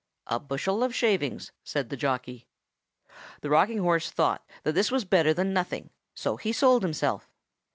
"A bushel of shavings," said the jockey. The rocking horse thought that was better than nothing, so he sold himself.